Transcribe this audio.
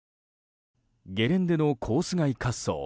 ゲレンデのコース外滑走